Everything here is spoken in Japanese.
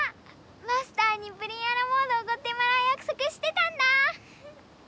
マスターにプリン・ア・ラ・モードおごってもらうやくそくしてたんだ。フフッ。